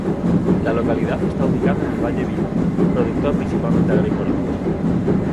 La localidad está ubicada en el Valle Virú, productor principalmente agrícola.